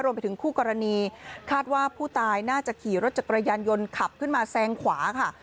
รวมไปถึงคู่กรณีคาดว่าผู้ตายน่าจะขี่รถจักรยานยนต์ขับขึ้นมาแซงขวาค่ะ